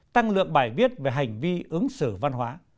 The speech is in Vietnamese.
tăng lượng bài viết về hành vi ứng xử văn hóa